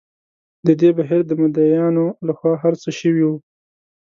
د دې بهیر د مدعییانو له خوا هر څه شوي وو.